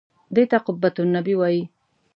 دې ته قبة النبي وایي.